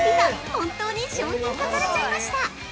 本当に商品化されちゃいました。